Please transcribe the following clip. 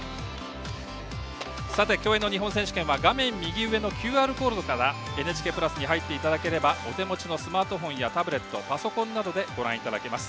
競泳の日本選手権は画面右上のＱＲコードから「ＮＨＫプラス」に入っていただければお手持ちのスマートフォンやタブレット、パソコンなどでご覧いただけます。